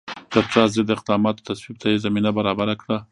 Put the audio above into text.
د ټراست ضد اقداماتو تصویب ته یې زمینه برابره کړه.